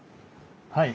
はい。